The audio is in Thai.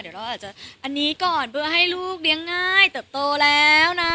เดี๋ยวเราอาจจะอันนี้ก่อนเพื่อให้ลูกเลี้ยงง่ายเติบโตแล้วนะ